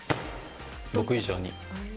僕以上に。